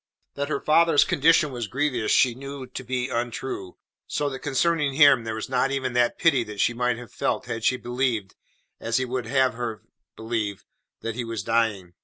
That her father's condition was grievous she knew to be untrue, so that concerning him there was not even that pity that she might have felt had she believed as he would have had her believe that he was dying.